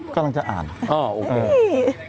กำลังจะอ่านเออโอเค